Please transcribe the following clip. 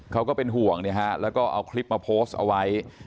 ก็เป็นห่วงแล้วก็เอาคลิปมาโพสต์เอาไว้